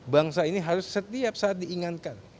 bangsa ini harus setiap saat diingatkan